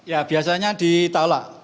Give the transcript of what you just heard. ya biasanya ditaulak